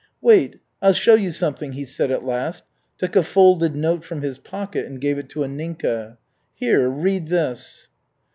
"Wait, I'll show you something," he said at last, took a folded note from his pocket and gave it to Anninka. "Here, read this."